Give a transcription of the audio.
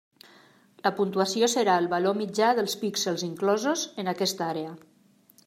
La puntuació serà el valor mitjà dels píxels inclosos en aquesta àrea.